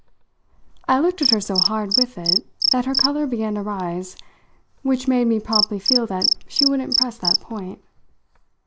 I looked at her so hard with it that her colour began to rise, which made me promptly feel that she wouldn't press that point.